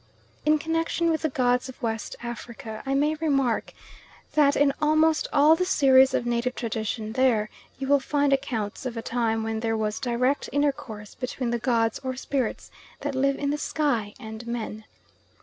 In connection with the gods of West Africa I may remark that in almost all the series of native tradition there, you will find accounts of a time when there was direct intercourse between the gods or spirits that live in the sky, and men.